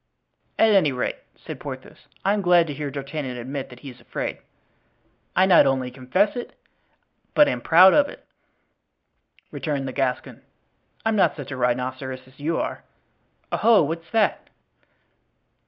"At any rate," said Porthos, "I am glad to hear D'Artagnan admit that he is afraid." "I not only confess it, but am proud of it," returned the Gascon; "I'm not such a rhinoceros as you are. Oho! what's that?"